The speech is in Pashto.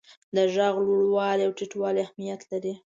د ږغ لوړوالی او ټیټوالی اهمیت لري.